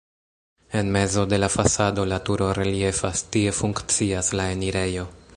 En mezo de la fasado la turo reliefas, tie funkcias la enirejo.